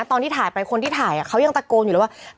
ตอนที่ถ่ายไปคนที่ถ่ายเขายังตะโกนอยู่เลยว่า